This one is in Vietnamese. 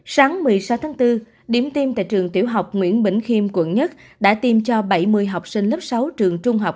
sáng một mươi sáu tháng bốn điểm tiêm tại trường tiểu học nguyễn bình khiêm quận một đã tiêm cho bảy mươi học sinh lớp sáu trường trung học